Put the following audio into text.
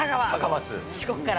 四国から。